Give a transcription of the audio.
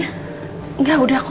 enggak udah aku seeds